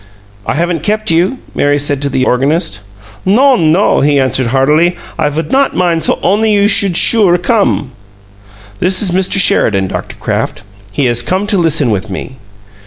"I haven't kept you?" Mary said to the organist. "No, no," he answered, heartily. "I would not mind so only you should shooer come!" "This is Mr. Sheridan, Dr. Kraft. He has come to listen with me."